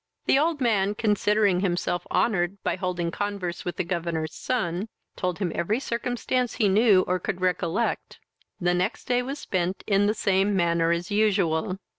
The old man, considering himself honoured by holding converse with the governor's son, told him every circumstance he knew or could recollect. The next day was spent in the same manner as usual.